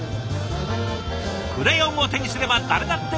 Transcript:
クレヨンを手にすれば誰だってサラメシ画伯。